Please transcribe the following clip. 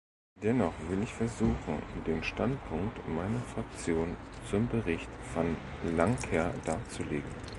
Dennoch will ich versuchen, den Standpunkt meiner Fraktion zum Bericht Van Lancker darzulegen.